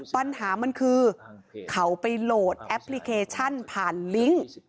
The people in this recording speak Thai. ปัญหามันคือเขาไปโหลดแอปพลิเคชันผ่านลิงค์